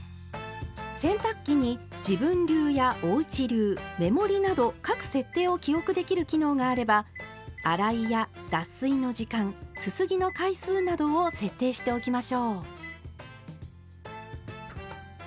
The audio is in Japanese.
洗濯機に「自分流」や「おうち流」「メモリー」など各設定を記憶できる機能があれば洗いや脱水の時間すすぎの回数などを設定しておきましょう。